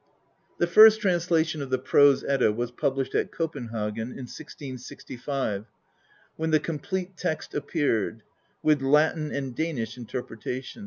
The first translation of the Prose Edda was published at Copenhagen in 1665, when the complete text appeared, with Latin and Danish interpretation.